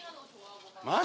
マジ？